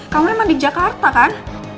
kamu emang di jakarta kan